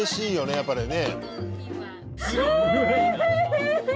やっぱりね。